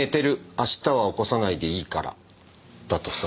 明日は起こさないでいいから」だとさ。